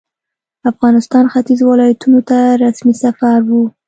افغانستان ختیځو ولایتونو ته رسمي سفر وو.